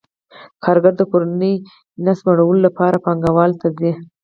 کارګر د کورنۍ ګېډې مړولو لپاره پانګوال ته ځي